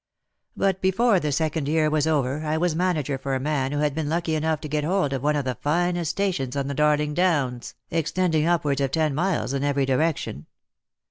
But before the second year was over, I was manager for a man who had been lucky enough to get hold of one of the finest stations on the Darling Downs, extending upwards of ten miles in every direction.